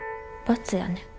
罰やねん。